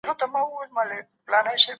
ولي ځيني هیوادونه سوداګري نه مني؟